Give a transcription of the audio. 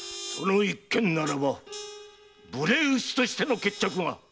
その一件ならば無礼討ちとしての決着が。